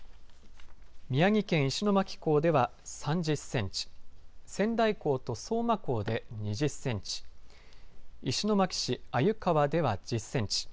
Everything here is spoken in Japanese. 宮城県石巻港では３０センチ仙台港と相馬港で２０センチ石巻市鮎川では１０センチ。